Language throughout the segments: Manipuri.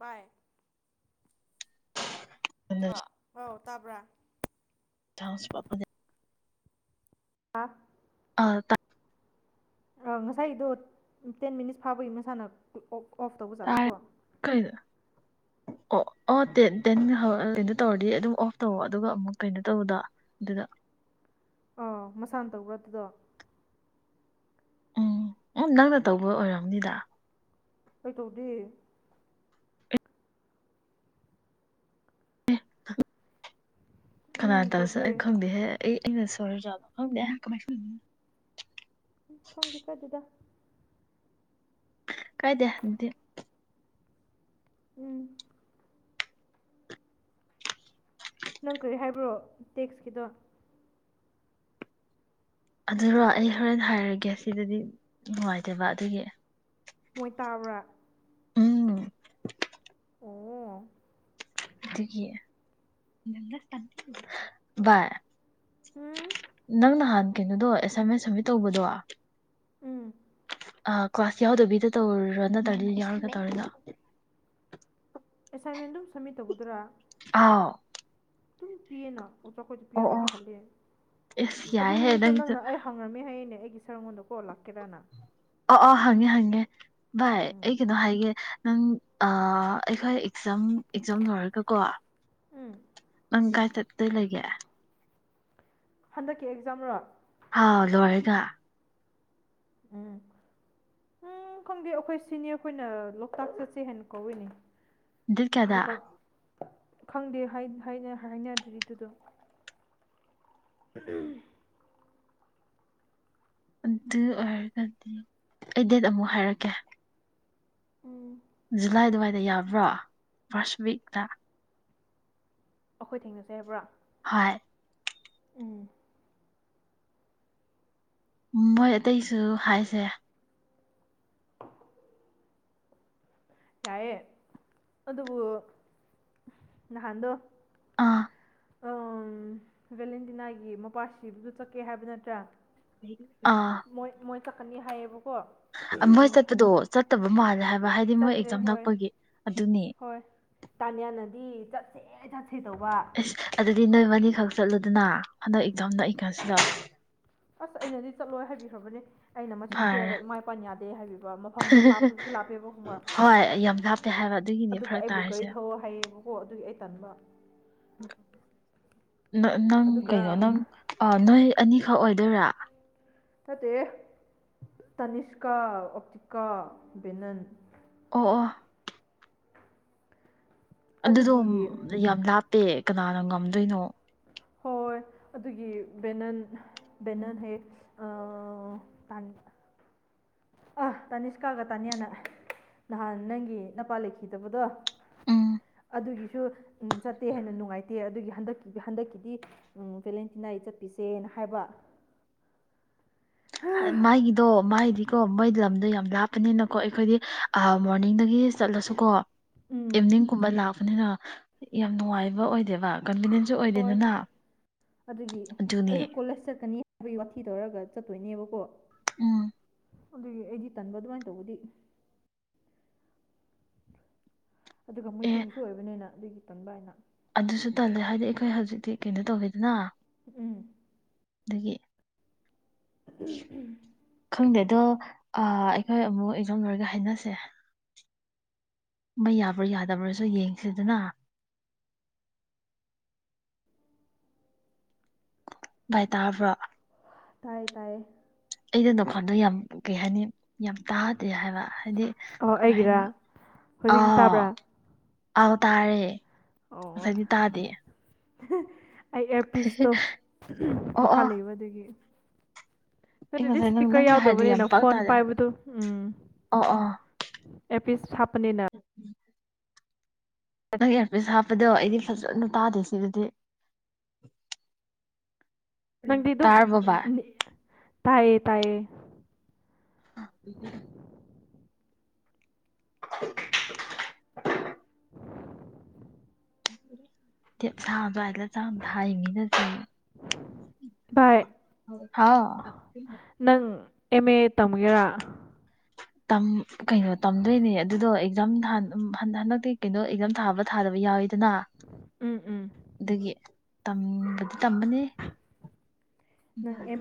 ꯕꯥꯏ ꯑ ꯍ ꯇꯥꯕ꯭ꯔ ꯆꯁ ꯄꯄꯅꯦ ꯍꯥ ꯑꯥ ꯉꯁꯥꯏꯗꯣ ꯇꯦꯟ ꯃꯤꯅꯤꯠꯁ ꯐꯥꯕꯒꯤ ꯃꯁꯥꯅ ꯑꯣ ꯑꯣꯐ ꯇꯧꯕꯖꯥꯠꯂꯀꯣ ꯀꯩꯅꯣ ꯑꯣ ꯑꯣ ꯇꯦꯟ ꯇꯦꯟ ꯀꯩꯅꯣ ꯇꯧꯔꯗꯤ ꯑꯗꯨꯝ ꯑꯣꯐ ꯇꯧ ꯑꯗꯨꯒ ꯑꯃꯨꯛ ꯀꯩꯅꯣ ꯇꯧꯕꯗ ꯑꯗꯨꯗ ꯑꯥ ꯃꯁꯥꯅ ꯇꯧꯕ꯭ꯔꯥ ꯑꯗꯨꯗꯣ ꯎꯝ ꯎꯝ ꯅꯪꯅ ꯇꯧꯕ ꯑꯣꯏꯔꯝꯅꯤꯗ ꯑꯩꯩ ꯇꯧꯗꯦ [unintelligible] ꯀꯅꯥꯅ ꯎꯝ ꯇꯧꯔꯁꯨ ꯇꯧꯗꯦ ꯑꯩ ꯈꯪꯗꯦꯍꯦ ꯑꯩ ꯑꯩꯅ [unintelligible] [unintelligible] [unintelligible] [unintelligible] ꯀꯥꯏꯗꯦꯗꯤ ꯎꯝ ꯅꯪ ꯀꯔꯤ ꯍꯥꯏꯕ꯭ꯔꯣ ꯇꯦꯛꯁꯀꯤꯗꯣ ꯑꯗꯨꯔꯣ ꯑꯩ ꯍꯣꯔꯦꯟ ꯍꯥꯏꯔꯒꯦ ꯁꯤꯗꯗꯤ ꯅꯨꯡꯉꯥꯏꯇꯦꯕ ꯑꯗꯨꯒꯤ ꯃꯣꯏ ꯇꯥꯕ꯭ꯔꯥ ꯎꯝ ꯑꯣ [unintelligible] ꯕꯥꯏ ꯎꯝ ꯅꯪ ꯅꯍꯥꯟ ꯀꯩꯅꯣꯗꯣ ꯑꯦꯁꯥꯏꯃꯦꯟ ꯁꯃꯤꯠ ꯇꯧꯕꯗꯣ ꯎꯝ ꯑꯥ ꯀ꯭ꯂꯥꯁ ꯌꯥꯎꯗꯕꯤꯗ ꯇꯧꯔꯣ ꯅꯠꯇ꯭ꯔꯗꯤ ꯌꯥꯎꯔꯒ ꯇꯧꯔꯤꯔꯣ ꯑꯦꯁꯥꯏꯟꯃꯦꯟꯗꯨꯝ ꯁꯝꯃꯤꯠ ꯇꯧꯕꯗꯨꯔꯥ ꯑꯥꯎ ꯑꯗꯨꯝ ꯄꯤꯌꯦꯅ ꯑꯣ ꯑꯈꯣꯏꯗꯨ ꯑꯣ ꯑꯣ ꯄꯤꯔꯒꯗꯤ ꯍꯜꯂꯦ ꯑꯦꯁ ꯑꯗꯨ ꯌꯥꯏꯍꯦ ꯅꯨꯃꯤꯠꯇꯣ ꯅꯪꯁꯨ ꯅꯪꯅ ꯑꯩ ꯍꯪꯉꯝꯃꯦ ꯍꯥꯏꯌꯦꯅꯦ ꯑꯩ [unintelligible] ꯀꯣ ꯂꯥꯛꯀꯦꯔꯅ ꯑꯣ ꯑꯣ ꯍꯪꯉꯦ ꯍꯪꯉꯦ ꯚꯥꯏ ꯎꯝ ꯑꯩ ꯀꯩꯅꯣ ꯍꯥꯏꯒꯦ ꯅꯪ ꯑꯩꯈꯣꯏ ꯑꯦꯛꯖꯥꯝ ꯑꯦꯛꯖꯥꯝ ꯂꯣꯏꯔꯒꯀꯣ ꯎꯝ ꯀꯥꯏ ꯆꯠꯇꯣꯏ ꯂꯩꯒꯦ ꯍꯟꯗꯛꯀꯤ ꯑꯦꯛꯖꯥꯝ ꯔꯣ ꯑꯥꯎ ꯂꯣꯏꯔꯒ ꯎꯝ ꯎꯝ ꯈꯪꯗꯦ ꯑꯩꯈꯣꯏ ꯁꯤꯅꯤꯌꫪꯈꯣꯏꯅ ꯂꯣꯛꯇꯥꯛ ꯆꯠꯁꯦ ꯍꯥꯏꯅ ꯀꯧꯏꯤꯅꯦ ꯗꯦꯠ ꯀꯌꯥꯗꯥ ꯈꯪꯗꯦ ꯍꯥꯏꯅꯗ꯭ꯔꯤꯗꯨꯗꯣ [unintelligible] ꯑꯗꯨ ꯑꯣꯏꯔꯒꯗꯤ ꯑꯩ ꯗꯦꯠ ꯑꯃꯨꯛ ꯍꯥꯏꯔꯛꯀꯦ ꯎꯝ ꯖꯨꯂꯥꯏ ꯑꯗꯨꯋꯥꯏꯗ ꯌꯥꯕ꯭ꯔꯣ ꯐꯥꯔꯁ ꯋꯤꯛꯇ ꯑꯩꯈꯣꯏ ꯊꯦꯡꯅꯖꯦ ꯍꯥꯏꯕ꯭ꯔꯥ ꯍꯣꯏ ꯎꯝ ꯃꯣꯏ ꯑꯇꯩꯁꯨ ꯍꯥꯏꯁꯦ ꯌꯥꯏꯌꯦ ꯑꯗꯨꯕꯨ ꯅꯍꯥꯟꯗꯣ ꯑꯥ ꯑꯥ ꯚꯦꯂꯦꯟꯇꯤꯅꯥꯒꯤ ꯃꯄꯥꯁꯤꯕꯗꯨ ꯆꯠꯀꯦ ꯍꯥꯏꯕ ꯅꯠꯇ꯭ꯔꯥ ꯑꯥ ꯀꯅꯤ ꯍꯥꯏꯌꯦꯕꯨ ꯃꯣꯏ ꯆꯠꯄꯗꯣ ꯆꯠꯇꯕ ꯃꯥꯜꯂꯦ ꯍꯥꯏꯕ ꯍꯥꯏꯗꯤ ꯃꯣꯏ ꯆꯠꯇ꯭ꯔꯦ ꯑꯦꯛꯖꯥꯝ ꯍꯣꯏ ꯅꯛꯄꯒꯤ ꯑꯗꯨꯅꯤ ꯍꯣꯏ ꯇꯥꯅꯤꯌꯥꯅꯗꯤ ꯆꯠꯦ ꯆꯦ ꯑꯁ ꯑꯗꯨꯗꯤ ꯅ ꯃꯅꯤꯦꯛꯥꯎ ꯆꯠꯂꯗꯅ ꯍꯟꯗꯛ ꯏꯊꯣꯝꯅ ꯑꯩ ꯈꯥꯁꯤꯗ ꯑꯁ ꯑꯩꯅꯗꯤ ꯆꯠꯂꯣꯏ ꯍꯥꯏꯕꯤꯈ꯭ꯔꯕꯅꯦ ꯑꯩꯅ ꯃꯆꯤꯟ ꯐꯔꯦ ꯊꯤꯔꯒ ꯏꯃꯥ ꯏꯄꯥꯥꯅ ꯌꯥꯗꯦ ꯍꯥꯏꯕꯤꯕ ꯃꯐꯝꯗꯣ ꯂꯥꯞꯄꯁꯤꯁꯨ ꯂꯥꯞꯄꯦꯕ ꯈꯪꯕꯔ ꯍꯣꯏ ꯌꯥꯝ ꯂꯥꯞꯄꯦ ꯍꯥꯏꯕ ꯑꯗꯨꯒꯤꯅꯦ ꯑꯗꯨꯒ ꯐꯔꯛ ꯑꯩꯕꯨ ꯒꯥꯔꯤ ꯇꯥꯔꯤꯁꯦ ꯊꯧꯑꯣ ꯍꯥꯏꯌꯦꯕ ꯍꯣ ꯑꯗꯨꯒꯤ ꯑꯩ ꯇꯟꯕ ꯎꯝ ꯅꯪ ꯑꯗꯨꯒ ꯀꯩꯅꯣ ꯅꯪ ꯑ ꯅꯣꯏ ꯑꯅꯤꯈꯛ ꯑꯣꯏꯗꯣꯏꯔꯥ ꯅꯠꯇꯦ ꯍꯦ ꯇꯅꯤꯁꯀꯥ ꯑꯣꯞꯇꯤꯀꯥ ꯕꯦꯅꯟ ꯑꯣ ꯑꯣ ꯑꯗꯨꯗꯣ ꯑꯗꯨꯒꯤ ꯌꯥꯝ ꯂꯥꯞꯄꯦ ꯀꯅꯥꯅ ꯉꯝꯗꯣꯏꯅꯣ ꯍꯣꯏ ꯑꯗꯨꯒꯤ ꯕꯦꯅꯟ ꯕꯦꯅꯟ ꯍꯦꯛ ꯑꯥ ꯑ ꯇꯥꯅꯤꯁꯀꯥꯒ ꯇꯥꯅꯤꯌꯥꯅ ꯅꯍꯥꯟ ꯅꯪꯒꯤ ꯅꯄꯥ ꯂꯩꯈꯤꯗꯕꯗꯣ ꯎꯝ ꯑꯗꯨꯒꯤꯁꯨ ꯆꯠꯇꯦ ꯍꯥꯏꯅ ꯅꯨꯡꯉꯥꯏꯇꯦ ꯑꯗꯨꯒꯤ ꯍꯟꯗꯛꯀꯤ ꯍꯟꯗꯛꯀꯤꯗꯤ ꯚꯦꯂꯦꯟꯇꯤꯅꯥꯒꯤ ꯆꯠꯄꯤꯁꯦꯅ ꯍꯥꯏꯕ ꯃꯥꯏꯒꯤꯗꯣ ꯃꯥꯏꯗꯤꯀꯣ ꯃꯣꯏ ꯂꯝꯗꯣ ꯌꯥꯝ ꯂꯥꯞꯄꯅꯤꯅꯀꯣ ꯑꯩꯈꯣꯏꯗꯤ ꯃꯣꯔꯅꯤꯡꯗꯒꯤ ꯆꯠꯂꯁꯨꯀꯣ ꯎꯝ ꯏꯞꯅꯤꯡ ꯀꯨꯝꯕ ꯂꯥꯛꯄꯅꯤꯅꯥꯛ ꯌꯥꯝ ꯅꯨꯡꯉꯥꯏꯕ ꯑꯣꯏꯗꯦꯕ ꯀꯟꯚꯤꯅꯦꯟꯁꯨ ꯍꯣꯏ ꯑꯣꯏꯗꯦꯗꯅ ꯑꯗꯨꯒꯤ ꯑꯗꯨꯅꯦ ꯑꯩꯁꯨ ꯀꯣꯂꯦꯖ ꯆꯠꯀꯅꯤ ꯍꯥꯏꯕꯒꯤ ꯋꯥꯊꯤ ꯇꯧꯔꯒ ꯆꯠꯇꯣꯏꯅꯦꯕꯀꯣ ꯎꯝ ꯑꯗꯨꯒꯤ ꯑꯩꯗꯤ ꯇꯟꯕ ꯑꯗꯨꯃꯥꯏꯅ ꯇꯧꯕꯗꯤ ꯑꯗꯨꯒ ꯑꯦ ꯃꯩꯇꯩꯒꯤꯁꯨ ꯑꯣꯏꯕꯅꯤꯅ ꯑꯗꯨꯒꯤ ꯇꯟꯕ ꯑꯩꯅ ꯑꯗꯨꯁꯨ ꯇꯜꯂꯦ ꯍꯥꯏꯗꯤ ꯑꯩꯈꯣꯏ ꯍꯧꯖꯤꯛꯇꯤ ꯀꯩꯅꯣ ꯇꯧꯋꯦꯗꯅ ꯎꯝ ꯑꯗꯒꯤ ꯎꯝ ꯎꯝ ꯈꯪꯗꯦ ꯑꯗꯣ ꯑꯩꯈꯣꯏ ꯑꯃꯨꯛ ꯑꯦꯛꯖꯣꯝ ꯂꯣꯏꯔꯒ ꯍꯥꯏꯅꯁꯦ ꯃ ꯌꯥꯕ꯭ꯔꯥ ꯌꯥꯗꯕ꯭ꯔꯥꯁꯨ ꯌꯦꯡꯁꯤꯗꯨꯅ ꯚꯥꯏ ꯇꯥꯕ꯭ꯔꯣ ꯇꯌꯦ ꯇꯌꯦ ꯑꯩꯅ ꯗꯨꯀꯥꯟꯗꯣ ꯌꯥꯝ ꯀꯩ ꯍꯥꯏꯅꯤ ꯌꯥꯝ ꯇꯥ ꯍꯥꯏꯕ ꯍꯥꯏꯗꯤ ꯑꯣ ꯀꯃꯥꯏ ꯍꯥꯏꯗꯅꯣ ꯑꯩꯒꯤꯔꯥ ꯑ ꯍꯧꯖꯤꯛꯇꯤ ꯇꯥꯕ꯭ꯔꯥ ꯑꯥꯎ ꯇꯥꯔꯦ ꯑꯣ ꯁꯥꯏꯗꯤ ꯇꯥꯗ [unintelligible] ꯑꯩ ꯑꯦꯌꯥꯔꯄꯤꯁꯇꯣ ꯑꯣ ꯃꯈꯥ ꯑꯣ ꯂꯩꯕ ꯑꯗꯨꯒꯤ ꯑꯩ ꯅꯠꯇ꯭ꯔꯗꯤ ꯉꯁꯥꯏ ꯅꯪ ꯁ꯭ꯄꯤꯀꯔ ꯅꯪꯅ ꯍꯥꯏꯔꯗꯤ ꯌꯥꯝ ꯌꯥꯎꯗꯕꯅꯤꯅ ꯄꯥꯛ ꯐꯣꯟ ꯇꯥꯗꯦ ꯄꯥꯏꯕꯗꯨ ꯎꯝ ꯑꯣ ꯑꯣ ꯑꯦꯔꯄꯤꯁ ꯍꯥꯞꯄꯅꯤꯅ ꯅꯪ ꯏꯌꯥꯔꯄꯤꯁ ꯍꯥꯞꯄꯗꯣ ꯑꯩꯗꯤ ꯐꯖꯅ ꯇꯥꯗꯦ ꯁꯤꯗꯗꯤ ꯇꯔꯕꯣ ꯚꯥꯏ ꯇꯥꯏꯌꯦ ꯇꯥꯏꯌꯦ ꯑ [unintelligible] ꯇꯦꯞ ꯁꯕ ꯆꯥꯡ ꯊ ꯃꯤꯅ ꯆ ꯍꯥꯎ [unintelligible] ꯑꯦꯝ ꯑꯦ ꯇꯝꯒꯦꯔꯥ ꯇꯝ ꯀꯩꯅꯣ ꯇꯝꯗꯣꯏꯅꯦ ꯑꯗꯨꯗꯣ ꯑꯦꯛꯖꯥꯝ ꯍꯟꯗꯛꯇꯤ ꯀꯩꯅꯣ ꯑꯦꯛꯖꯥꯝ ꯊꯥꯕ ꯊꯥꯗꯕ ꯌꯥꯎꯋꯤꯗ ꯑꯗꯨꯅꯥ ꯎꯝ ꯎꯝ ꯑꯗꯨꯒꯤ ꯇꯝꯕꯗꯤ ꯇꯝꯕꯅꯦ ꯅꯪ ꯑꯦꯝ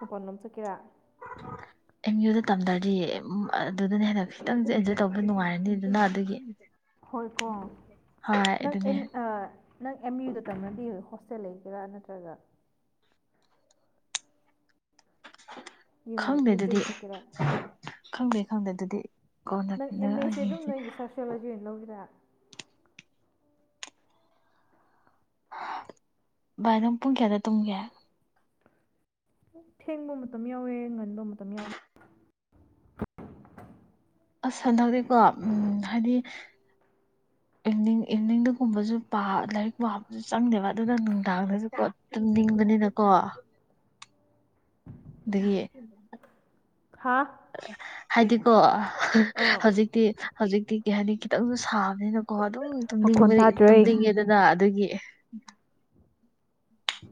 ꯃꯄꯟ ꯂꯣꯝ ꯆꯠꯀꯦꯔ ꯑꯦꯝ ꯌꯨꯗ ꯇꯝꯗꯔꯗꯤ ꯑꯗꯨꯗꯅ ꯍꯦꯟꯅ ꯈꯤꯇꯪꯁꯨ ꯑꯦꯟꯖꯣꯏ ꯇꯧꯕ ꯅꯨꯡꯉꯥꯏꯔꯅꯤꯗꯅ ꯑꯗꯨꯅ ꯑꯗꯨꯗꯒꯤ ꯍꯣꯏ ꯀꯣ ꯅꯪ ꯑꯗꯨꯅꯦ ꯑ ꯅꯪ ꯑꯦꯝ ꯌꯨꯗ ꯇꯝꯅꯗꯤ ꯍꯣꯁ ꯁꯦ ꯂꯩꯒꯦꯔꯥ ꯅꯠꯇ꯭ꯔꯒ ꯌꯨꯝꯗꯩ ꯈꯪꯗꯦ ꯑꯗꯨꯗꯤ ꯌꯨꯝꯗꯒꯤ ꯆꯠꯀꯦꯔꯥ ꯈꯪꯗꯦ ꯈꯪꯗꯦ ꯑꯗꯨꯗꯤ ꯀꯣꯟꯅ ꯅꯪ ꯑꯦꯝꯑꯦꯁꯦ ꯑꯗꯨꯝ ꯌꯦꯡꯁꯦ ꯅꯣꯏꯒꯤ ꯁꯣꯁꯤꯌꯣꯂꯣꯖꯤ ꯑꯣꯏꯅ ꯂꯧꯒꯦꯔꯥ ꯚꯥꯏ ꯅꯪ ꯄꯨꯡ ꯀꯌꯥꯗ ꯇꯨꯝꯒꯦ ꯊꯦꯡꯕ ꯃꯇꯝ ꯌꯥꯎꯋꯦ ꯉꯟꯕ ꯃꯇꯝ ꯌꯥꯎꯋꯦ ꯑꯁ ꯍꯟꯗꯛꯇꯤ ꯀꯣ ꯎꯝ ꯍꯥꯏꯗꯤ ꯏꯚꯅꯤꯡ ꯏꯚꯅꯤꯡꯗꯒꯨꯝꯕꯁꯨ ꯂꯥꯏꯔꯤꯛ ꯄꯥꯕꯁꯨ ꯆꯪꯗꯦꯕ ꯑꯗꯨꯒ ꯅꯨꯡꯗꯥꯡꯗꯁꯨ ꯀꯣ ꯑꯗꯨꯝ ꯇꯨꯝꯅꯤꯡꯕꯅꯤꯅꯀꯣ ꯑꯗꯨꯗꯒꯤ ꯍꯥꯥ ꯍꯥꯏꯗꯤꯀꯣ ꯍꯧꯖꯤꯛꯇꯤ ꯍꯧꯖꯤꯛꯗꯤ ꯍꯥꯏꯗꯤ ꯈꯤꯇꯪꯁꯨ ꯁꯥꯕꯅꯤꯅꯀꯣ ꯑꯗꯨꯝ ꯃꯈꯣꯟ ꯇꯨꯝꯅꯤꯡꯕ ꯇꯥꯗ꯭ꯔꯦ ꯇꯨꯝꯅꯤꯡꯉꯦꯗꯅ ꯑꯗꯨꯒꯤ ꯎ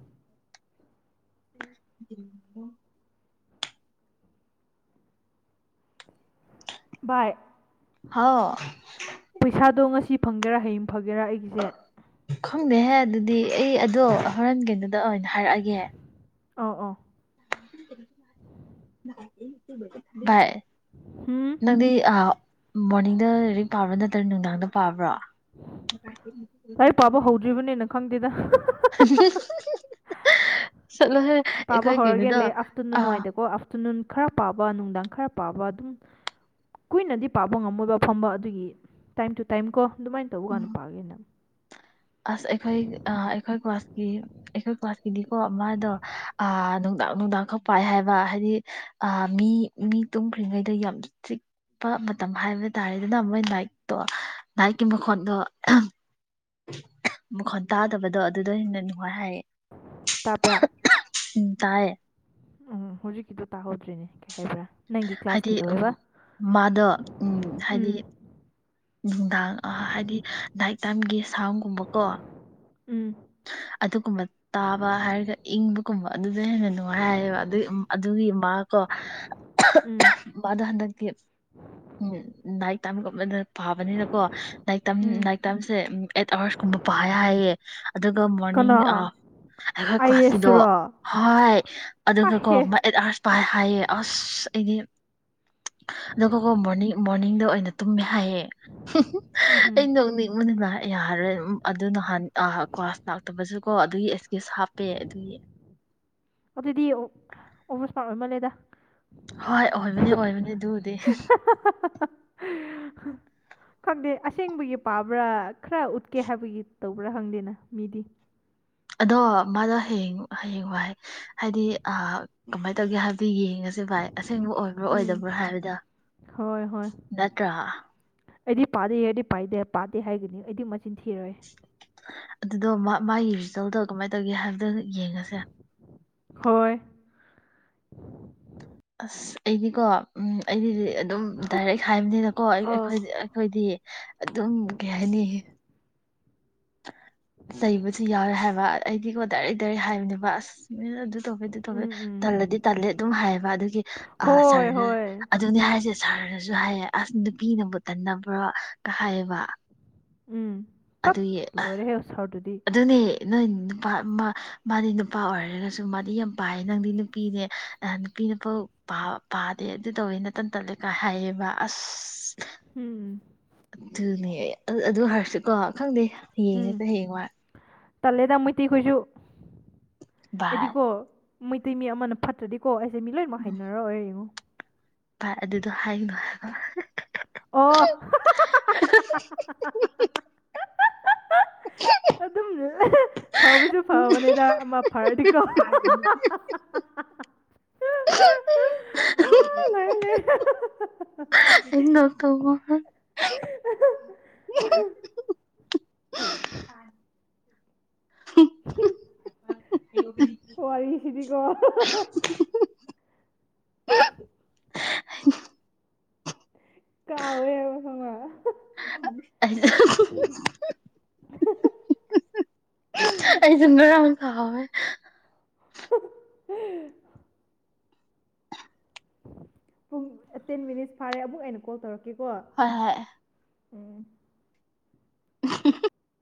[unintelligible] ꯕꯥꯏ ꯍꯥꯎ ꯉꯁꯤ ꯐꯪꯒꯦꯔꯥ ꯍꯥꯏ ꯐꯒꯦꯔꯥ ꯑꯩꯒꯤꯁꯦ ꯈꯪꯗꯦꯍꯦ ꯑꯗꯨꯗꯤ ꯑꯩ ꯑꯗꯣ ꯍꯣꯔꯦꯟ ꯀꯩꯗꯨꯗ ꯑꯣꯏꯅ ꯍꯥꯏꯔꯛꯑꯒꯦ ꯑꯧ ꯑꯧ ꯚꯥꯏ ꯍꯨꯝ ꯅꯪꯗꯤ ꯑ ꯃꯣꯔꯅꯤꯡꯗ ꯔꯤꯛ ꯄꯥꯕ꯭ꯔ ꯅꯠꯇ꯭ꯔ ꯅꯨꯡꯗꯥꯡꯗ ꯄꯥꯕ꯭ꯔꯣ ꯇꯥꯏ ꯄꯥꯕ ꯍꯧꯗ꯭ꯔꯤꯕꯅꯦ ꯈꯪꯗꯦꯗꯥ ꯑ [unintelligible] ꯄꯥꯕꯕꯥ ꯀꯩꯅꯣꯗꯣ ꯍꯧꯔꯒꯦꯟ ꯂꯩ ꯑꯐꯇꯔꯅꯨꯟ ꯑꯥ ꯅꯨꯡꯉꯥꯏꯗꯦꯀꯣ ꯑꯐꯇꯔꯅꯨꯟ ꯈꯔ ꯄꯥꯕ ꯅꯨꯡꯗꯥꯡ ꯈꯔ ꯄꯥꯕ ꯑꯗꯨꯝ ꯀꯨꯏꯅꯗꯤ ꯄꯥꯕ ꯉꯝꯃꯣꯏꯕ ꯐꯝꯕ ꯑꯗꯨꯒꯤ ꯇꯥꯏꯝ ꯇꯨ ꯇꯥꯏꯝ ꯀꯣ ꯑꯗꯨꯃꯥꯏꯅ ꯇꯧꯕ ꯎꯝ ꯀꯥꯟꯗ ꯄꯥꯒꯦꯅ ꯑꯁ ꯑꯩꯈꯣꯏ ꯍꯥꯏꯗꯤꯀꯣ ꯃꯥꯗꯣ ꯑ ꯅꯨꯡꯗꯥꯡ ꯅꯨꯡꯗꯥꯡ ꯈꯛ ꯄꯥꯏ ꯍꯥꯏꯕ ꯍꯥꯏꯗꯤ ꯑ ꯃꯤ ꯃꯤ ꯇꯨꯝꯈ꯭ꯔꯤꯉꯩꯗ ꯌꯥꯝ ꯆꯤꯛꯄ ꯃꯇꯝ ꯍꯥꯏꯕ ꯇꯥꯔꯦꯗꯅ ꯃꯣꯏ ꯅꯥꯏꯛꯇꯣ ꯅꯥꯏꯛꯀꯤ ꯃꯈꯣꯟꯗꯣ ꯃꯈꯣꯟ ꯇꯥꯗꯕꯗꯣ ꯑꯗꯨꯗꯣ ꯍꯦꯟꯅ ꯅꯨꯡꯉꯥꯏ ꯍꯥꯏꯌꯦꯦ ꯇꯥꯕ꯭ꯔꯥ ꯎꯝ ꯇꯥꯏꯌꯦ ꯎꯝ ꯍꯧꯖꯤꯛꯀꯤꯗꯣ ꯇꯥꯍꯧꯗ꯭ꯔꯤꯅꯦ ꯀꯩ ꯍꯥꯏꯕ꯭ꯔꯥ ꯅꯪꯒꯤ ꯀ꯭ꯂꯥꯁ ꯍꯥꯏꯗꯤ ꯀꯩꯗꯧꯋꯦꯕ ꯃꯥꯗꯣ ꯎꯝ ꯍꯥꯏꯗꯤ ꯎꯝ ꯅꯨꯡꯗꯥꯡ ꯍꯥꯏꯗꯤ ꯅꯥꯏꯇ ꯇꯥꯏꯝꯒꯤ ꯁꯥꯝꯒꯨꯝꯕꯀꯣ ꯎꯝ ꯑꯗꯨꯒꯨꯝꯕ ꯇꯥꯕ ꯍꯥꯏꯔꯒ ꯏꯪꯕꯒꯨꯝꯕ ꯑꯗꯨꯗ ꯍꯦꯟꯅ ꯅꯨꯡꯉꯥꯏ ꯍꯥꯏꯌꯦꯕ ꯑꯗꯨ ꯑꯗꯨꯒꯤ ꯃꯥꯀꯣ ꯎꯝ ꯃꯥꯗꯣ ꯍꯟꯗꯛꯇꯤ ꯇꯝꯒꯨꯝꯕꯗ ꯄꯥꯕꯅꯤꯅꯀꯣ ꯅꯥꯏꯛꯝ ꯎꯝ ꯅꯥꯏꯛ ꯇꯝꯁꯦ ꯑꯩꯠ ꯑꯥꯋꯥꯔꯁꯀꯨꯝꯕ ꯄꯥ ꯍꯥꯏꯌꯦꯦ ꯑꯗꯨꯒ ꯀꯅꯥ ꯃꯣꯔꯅꯤꯡ ꯑ ꯑꯩꯈꯣꯏ ꯑꯥꯏ ꯀ꯭ꯂꯥꯁꯀꯤꯗꯣ ꯑꯦꯁꯇꯨꯔꯣ ꯍꯣꯏ ꯑꯗꯨꯒ ꯀꯣ ꯍꯥꯏꯍꯦ ꯑ ꯄꯥꯏ ꯍꯥꯏꯌꯦ ꯑꯁ ꯑꯩꯗꯤ ꯑꯗꯨꯒꯣꯀꯣ ꯃꯣꯔꯅꯤꯡ ꯃꯣꯔꯅꯤꯡꯗ ꯑꯣꯏꯅ ꯇꯨꯝꯃꯦ ꯍꯥꯏꯑꯦ ꯎꯝ ꯑ ꯍꯨꯝ ꯅꯣꯛꯅꯤꯡꯕꯅꯤꯅ ꯌꯥꯔꯣꯏ ꯑꯗꯨ ꯅꯍꯥꯟ ꯂꯥꯛꯇꯕꯁꯨ ꯀꯣ ꯑꯗꯨꯒꯤ ꯑꯦꯛꯁꯀ꯭ꯌꯨꯁ ꯍꯥꯞꯄꯦ ꯑꯗꯨꯒꯤ ꯑꯣꯗꯨꯗꯤ [unintelligible] ꯍꯣꯏ ꯑꯣꯏꯕꯅꯤ ꯑꯣꯏꯕꯅꯤ ꯑꯗꯨꯕꯨꯗꯤ ꯈꯪꯗꯦ ꯑꯁꯦꯡꯕꯒꯤ ꯄꯥꯕ꯭ꯔꯥ ꯈꯔ ꯎꯠꯀꯦ ꯍꯥꯏꯕꯒꯤ ꯇꯧꯕ꯭ꯔꯥ ꯈꯪꯗꯦꯅ ꯃꯤꯗꯤ ꯑꯗꯣ ꯃꯥꯗꯣ ꯍꯌꯦꯡ ꯍꯌꯦꯡ ꯋꯥꯏ ꯍꯥꯏꯗꯤ ꯑ ꯀꯃꯥꯏ [unintelligible] ꯁꯦ ꯚꯥꯏ ꯑꯁꯦꯡꯕ ꯑꯣꯏꯕ꯭ꯔꯥ ꯎꯝ ꯑꯣꯏꯗꯕ꯭ꯔꯥ ꯍꯥꯏꯕꯗꯣ ꯍꯣꯏ ꯍꯣꯏ ꯅꯠꯇ꯭ꯔꯥ ꯑꯩꯗꯤ ꯄꯥꯗꯦ ꯌꯗꯤ ꯄꯥꯏꯗꯦ ꯄꯥꯗꯦ ꯍꯥꯏꯒꯅꯤ ꯑꯩꯗꯤ ꯃꯠ ꯑꯗꯨꯗꯣ ꯃꯥ ꯃꯥꯌꯤ ꯇꯧ ꯇꯧ ꯀꯃꯥꯏ ꯇꯧꯒꯦ ꯍꯥꯏꯕꯗꯣ ꯌꯦꯡꯉꯁꯦ ꯍꯣꯏ ꯑꯁ ꯑꯩꯗꯤꯀꯣ ꯎꯝ ꯑꯩꯗꯤꯗꯤ ꯑꯗꯨꯝ ꯗꯥꯏꯔꯦꯛ ꯍꯥꯏꯕꯅꯤꯅꯀꯣ ꯑꯥ ꯑꯩꯈꯣꯏꯗꯤ ꯑꯩꯈꯣꯏꯗꯤ ꯑꯗꯨꯝ ꯀꯩ ꯍꯥꯏꯅꯤ ꯂꯩꯕꯁꯤ ꯌꯥꯎꯋꯦ ꯍꯥꯏꯕ ꯑꯩꯗꯤꯀꯣ ꯗꯥꯏꯔꯦꯛ ꯗꯥꯢꯔꯦꯛ ꯍꯥꯏꯕꯅꯦꯕ ꯑꯁ ꯑꯗꯨ ꯇꯧꯕꯦ ꯑꯗꯨ ꯇꯧꯕꯦ ꯎꯝ ꯎꯝ ꯇꯜꯂꯗꯤ ꯇꯜꯂꯦ ꯑꯗꯨꯝ ꯍꯥꯏꯌꯦꯕ ꯑꯗꯨꯒꯤ ꯑꯥ ꯍꯣꯏ ꯁꯔꯅ ꯍꯣꯏ ꯑꯗꯨꯅꯤ ꯍꯥꯏꯁꯦ ꯁꯔꯅ ꯖꯨ ꯍꯥꯏꯌꯦ ꯑꯁ ꯅꯨꯄꯤꯅꯕꯨ ꯇꯟꯅꯕ꯭ꯔꯣ ꯀ ꯍꯥꯏꯌꯦꯕ ꯎꯝ ꯇꯠ ꯑꯗꯨꯌꯦ ꯑ ꯂꯣꯏꯔꯦꯍꯦ ꯁꯥꯔꯗꯨꯗꯤ ꯑꯗꯨꯅꯦ ꯅꯣꯏ ꯅꯨꯄꯥ ꯃꯥ ꯃꯥꯗꯤ ꯅꯨꯄꯥ ꯑꯣꯏꯔꯒꯁꯨ ꯃꯥꯗꯤ ꯌꯥꯝ ꯄꯥꯏ ꯅꯪꯗꯤ ꯅꯨꯄꯤꯅꯦ ꯑꯥ ꯅꯨꯄꯤ ꯅꯨꯐꯧ ꯄꯥꯗꯦ ꯑꯗꯨ ꯇꯧꯋꯦ ꯅꯇꯟ ꯇꯜꯂꯦꯀ ꯍꯥꯏꯌꯦꯕ ꯑꯁ ꯎꯝ ꯑꯗꯨꯅꯦ ꯑꯗꯨ ꯍꯥꯏꯔꯁꯨꯀꯣ ꯈꯪꯗꯦ ꯎꯝ ꯎꯝ [unintelligible] ꯍꯌꯦꯡꯋꯥꯏ ꯇꯜꯂꯦꯗ ꯃꯩꯇꯩ ꯈꯣꯏꯁꯨ ꯚꯥꯏ ꯑꯩꯗꯤꯀꯣ ꯃꯩꯇꯩ ꯃꯤ ꯑꯃꯅ ꯐꯠꯇ꯭ꯔꯗꯤꯀꯣ ꯑꯩꯁ ꯃꯤ ꯂꯣꯏꯃꯛ ꯍꯩꯅꯔꯛ ꯑꯣꯏ ꯌꯦꯡꯉꯨ ꯚꯥꯏ ꯑꯗꯨꯗꯣ ꯍꯥꯏꯒꯅꯨ ꯍꯥꯏꯕ ꯑꯣ [unintelligible] ꯐꯕꯖꯨ ꯐꯕꯅꯦꯗ ꯑꯃ ꯐꯔꯗꯤ [unintelligible] [unintelligible] ꯑꯥ [unintelligible] [unintelligible] ꯋꯥꯔꯤ ꯁꯤꯗꯤ ꯀꯣ [inaudible] ꯀꯥꯎꯋꯦꯕ ꯈꯪꯕ꯭ꯔꯥ [unintelligible] ꯑꯩꯁꯨ ꯉꯔꯥꯡ ꯀꯥꯎꯋꯦ [unintelligible] ꯄꯨꯡ ꯇꯦꯟ ꯃꯤꯅꯤꯠꯁ ꯐꯥꯔꯦ ꯑꯃꯨꯛ ꯑꯩꯅ ꯀꯣꯜ ꯇꯧꯔꯛ ꯍꯣꯏ ꯍꯣꯏ ꯎꯝ [unintelligible]